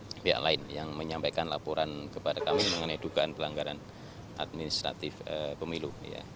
di pihak lain yang menyampaikan laporan kepada kami mengenai dugaan pelanggaran administratif pemilu